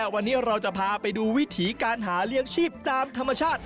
วันนี้เราจะพาไปดูวิถีการหาเลี้ยงชีพตามธรรมชาติ